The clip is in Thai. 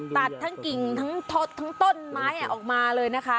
ตัดทั้งกิ่งทั้งทดทั้งต้นไม้ออกมาเลยนะคะ